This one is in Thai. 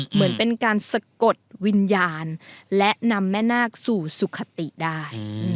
เหมือนเป็นการสะกดวิญญาณและนำแม่นาคสู่สุขติได้